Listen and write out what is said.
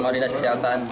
sama rinas kesehatan